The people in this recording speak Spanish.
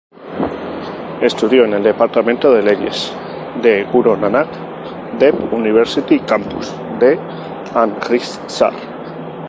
Estudió en el departamento de leyes de "Guru Nanak Dev University Campus", de Amritsar.